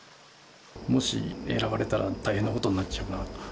もし選ばれたら、大変なことになっちゃうなと。